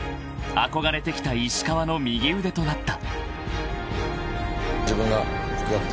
［憧れてきた石川の右腕となった］